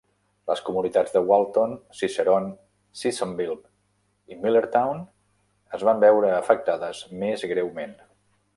Les comunitats de Walton, Cicerone, Sissonville i Millertown es van veure afectades més greument.